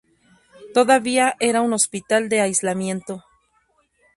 Todavía era un hospital de aislamiento.